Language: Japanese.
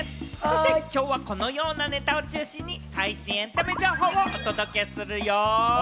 きょうは、このようなネタを中心に最新エンタメ情報をお届けするよ。